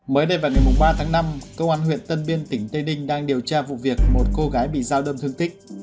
mới đây vào ngày ba tháng năm cơ quan huyện tân biên tỉnh tây đinh đang điều tra vụ việc một cô gái bị giao đâm thương tích